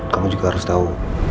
kamu juga harus tau